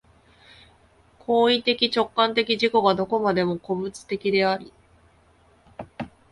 行為的直観的自己がどこまでも個物的であり、